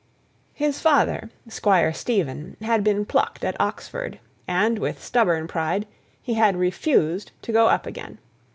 His father, Squire Stephen, had been plucked at Oxford, and, with stubborn pride, he had refused to go up again.